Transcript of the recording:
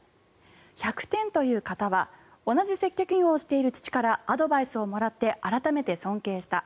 １００点という方は同じ接客業をしている父からアドバイスをもらって改めて尊敬した。